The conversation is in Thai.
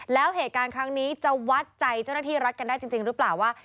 แล้วเหตุการณ์ครั้งนี้จะวัดใจเจ้าหน้าที่รัฐกันได้จริงหรือเปล่าว่า